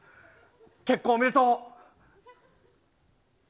結婚おめでとう。